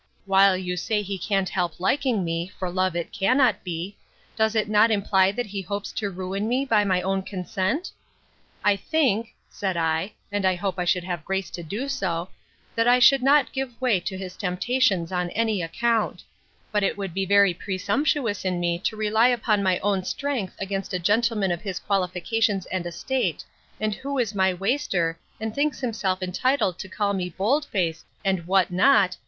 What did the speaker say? —While you say he can't help liking me, for love it cannot be—Does it not imply that he hopes to ruin me by my own consent? I think, said I, (and hope I should have grace to do so,) that I should not give way to his temptations on any account; but it would be very presumptuous in me to rely upon my own strength against a gentleman of his qualifications and estate, and who is my master; and thinks himself entitled to call me bold face, and what not?